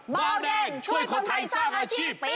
เบาแดงช่วยคนไทยสร้างอาชีพปี๒